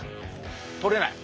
とれない。